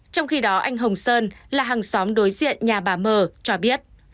trong khi đó anh hồng sơn là hàng xóm đối diện nhà bà mờ cho biết